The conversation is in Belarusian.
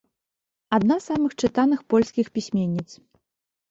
Адна з самых чытаных польскіх пісьменніц.